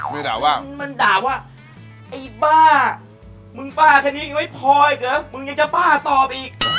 ด่าว่ามันด่าว่าไอ้บ้ามึงบ้าแค่นี้ไม่พออีกเหรอมึงยังจะบ้าตอบอีก